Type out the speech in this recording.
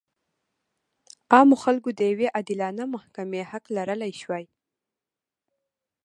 عامو خلکو د یوې عادلانه محکمې حق لرلی شوای.